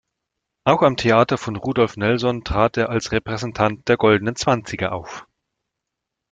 Auch am Theater von Rudolf Nelson trat er als Repräsentant der Goldenen Zwanziger auf.